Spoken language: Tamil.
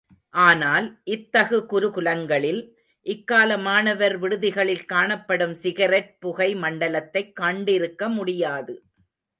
ஆனால், இத்தகு குரு குலங்களில், இக்கால மாணவர் விடுதிகளில் காணப்படும் சிகரெட் புகை மண்டலத்தைக் கண்டிருக்கமுடியாது.